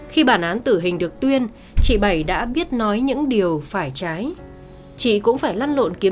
khi bản án tử hình được tuyên chị bảy đã biết nói những điều phải trái